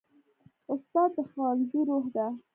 استاد د ښوونځي روح دی.